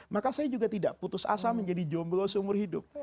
maka saya juga tidak putus asa menjadi jomblo seumur hidup